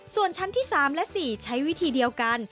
ส่วนชั้นที่๓และ๔ใช้วิธีเดียวกัน